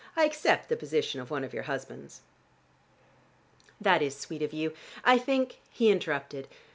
I accept the position of one of your husbands." "That is sweet of you. I think " He interrupted.